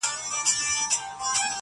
چي زه هم لکه بوډا ورته ګویا سم-